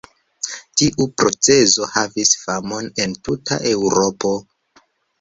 Tiu proceso havis famon en tuta Eŭropo.